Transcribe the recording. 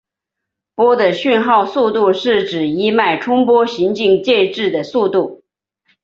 波的讯号速度是指一脉冲波行经介质的速度。